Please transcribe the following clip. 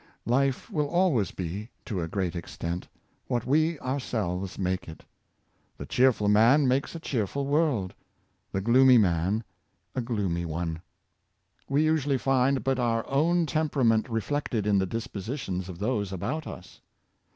Life will always be, to a great extent, what we our selves make it. The cheerful man makes a cheerful world, the gloomy man a gloomy one. We usually find but our own temperament reflected in the dispositions of those about us.